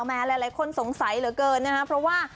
แม้หลายคนสงสัยเหลือเกินเพราะว่า